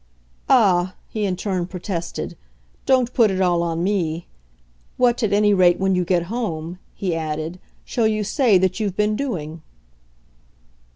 "Ah," he in turn protested, "don't put it all on me! What, at any rate, when you get home," he added, "shall you say that you've been doing?"